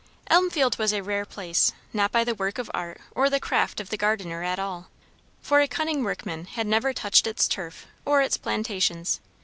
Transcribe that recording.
Elmfield was a rare place. Not by the work of art or the craft of the gardener at all; for a cunning workman had never touched its turf or its plantations.